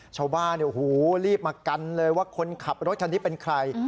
ชาวบ้านรีบมากันเลยว่าคนขับรถคันนี้เป็นใคร